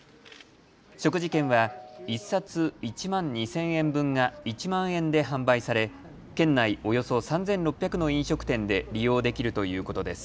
食事券は１冊１万２０００円分が１万円で販売され県内およそ３６００の飲食店で利用できるということです。